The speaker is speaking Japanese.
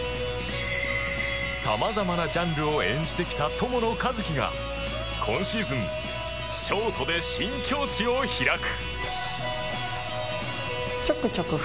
様々なジャンルを演じてきた友野一希が今シーズンショートで新境地を開く！